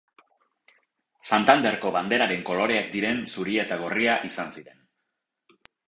Santanderko banderaren koloreak diren zuria eta gorria izan ziren.